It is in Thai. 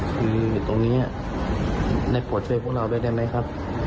คือตรงนี้ในโปรดเฟสพวกเราได้ไหมครับ